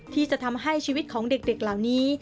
ที่จะทำให้ชีวิตของเด็กเหล่านี้